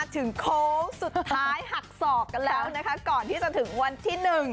โค้งสุดท้ายหักศอกกันแล้วนะคะก่อนที่จะถึงวันที่๑